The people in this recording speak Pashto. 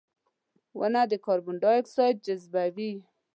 • ونه د کاربن ډای اکساید جذبوي.